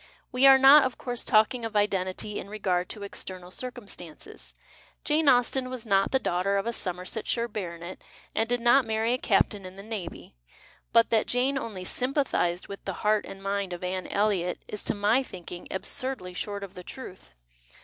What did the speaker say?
We are not, of course, talking of identity in regard to external circumstances. Jane Austen was not the daughter of a Somersetshire baronet and did not marry a captain in the navy. But that Jane only " sympathized " svith the heart and mind of Anne Elliot is to my thinking absurdly short of the truth.